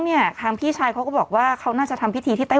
เนี่ยทางพี่ชายเขาก็บอกว่าเขาน่าจะทำพิธีที่ใต้